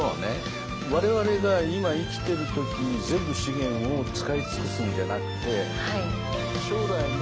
我々が今生きてる時に全部資源を使い尽くすんじゃなくて将来の。